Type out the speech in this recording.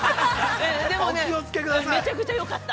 でもね、めちゃくちゃよかった。